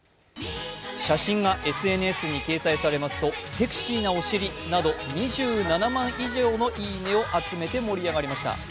写真がＳＮＳに掲載されますと、セクシーなお尻など２７万以上のいいねを集めて盛り上がりました。